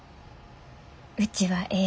うちはええ